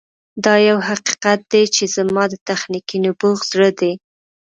دا یو حقیقت دی چې زما د تخنیکي نبوغ زړه دی